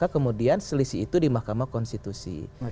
karena kemudian selisih itu di mahkamah konstitusi